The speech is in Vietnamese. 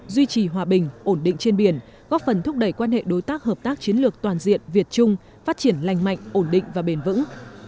duy trì hòa bình ổn định trên biển góp phần thúc đẩy quan hệ đối tác hợp tác chiến lược toàn diện việt trung phát triển lành mạnh ổn định và bền vững